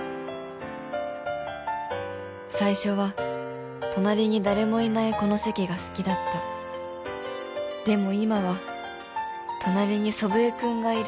最初は隣に誰もいないこの席が好きだったでも今は隣に祖父江君がいる